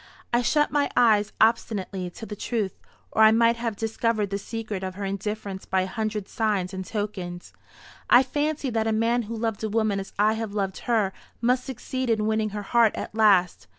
"I shut my eyes obstinately to the truth, or I might have discovered the secret of her indifference by a hundred signs and tokens. I fancied that a man who loved a woman as I loved her must succeed in winning her heart at last.